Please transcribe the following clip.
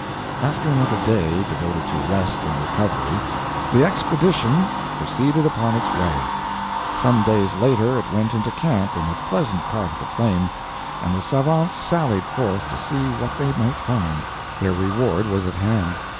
After another day devoted to rest and recovery, the expedition proceeded upon its way. Some days later it went into camp in a pleasant part of the plain, and the savants sallied forth to see what they might find. Their reward was at hand.